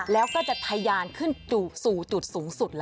แล้วก็จะทะยานขึ้นสู่จุดสูงสุด